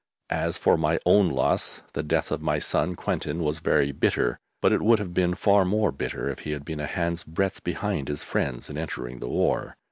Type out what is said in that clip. As for my own loss, the death of my son Quentin was very bitter, but it would have been far more bitter if he had been a hand's breadth behind his friends in entering the war.